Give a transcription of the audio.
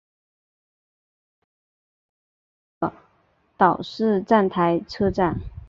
茶店子客运站是一个岛式站台车站。